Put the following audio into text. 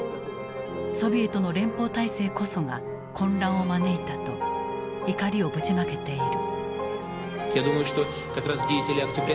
ソビエトの連邦体制こそが混乱を招いたと怒りをぶちまけている。